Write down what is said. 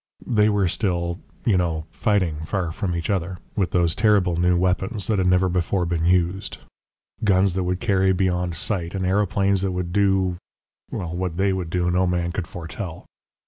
They were still, you know, fighting far from each other, with those terrible new weapons that had never before been used: guns that would carry beyond sight, and aeroplanes that would do What THEY would do no man could foretell.